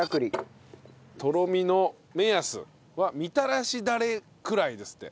とろみの目安はみたらしダレくらいですって。